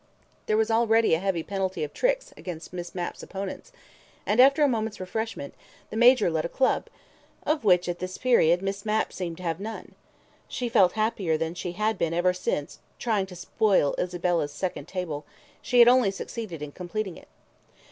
There was already a heavy penalty of tricks against Miss Mapp's opponents, and after a moment's refreshment, the Major led a club, of which, at this period, Miss Mapp seemed to have none. She felt happier than she had been ever since, trying to spoil Isabel's second table, she had only succeeded in completing it.